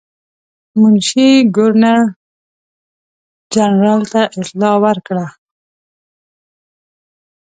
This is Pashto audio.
منشي ګورنر جنرال ته اطلاع ورکړه.